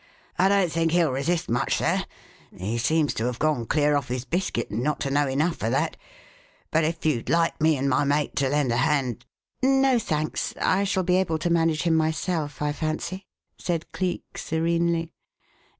"I don't think he'll resist much, sir; he seems to have gone clear off his biscuit and not to know enough for that; but if you'd like me and my mate to lend a hand " "No, thanks; I shall be able to manage him myself, I fancy," said Cleek, serenely.